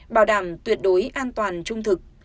bảo đảm tuyệt đối an toàn trung thực